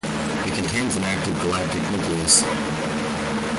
It contains an active galactic nucleus.